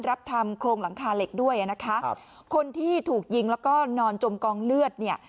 รับทำโครงหลังคาเหล็กด้วยอ่ะนะคะครับคนที่ถูกยิงแล้วก็นอนจมกองเลือดเนี่ย